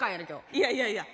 いやいやいや。